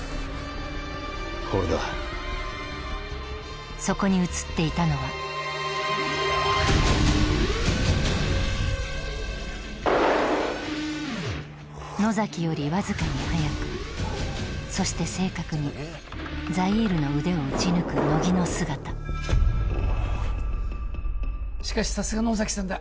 これだそこに写っていたのは野崎よりもわずかに早くそして正確にザイールの腕を打ち抜く乃木の姿しかしさすが野崎さんだ